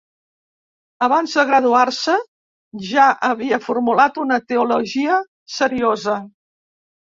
Abans de graduar-se ja havia formulat una teologia seriosa.